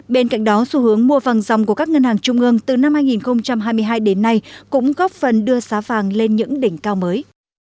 bên cạnh đó xu hướng mua vàng dòng của các ngân hàng trung ương từ năm hai nghìn hai mươi hai đến nay cũng góp phần đưa giá vàng lên những đỉnh cao mới